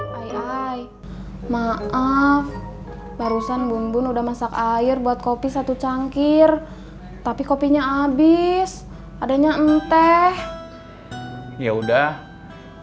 hai hai maaf something udah masak air buat kopi satu cangkir tapi copynya habis adanya enteh ya udah cry anya ngpng tersebut